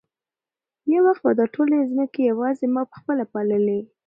یو وخت به دا ټولې مځکې یوازې ما په خپله پاللې.